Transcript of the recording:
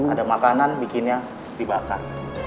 ada makanan bikinnya dibakar